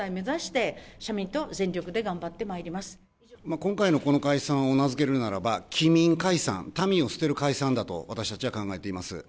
今回のこの解散を名付けるならば、棄民解散、民をすてる解散だと私たちは考えています。